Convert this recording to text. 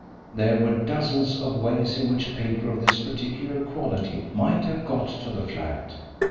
There were dozens of ways in which paper of this particular quality might have got to the flat.